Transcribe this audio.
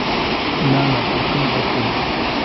না না, আপনি বসুন।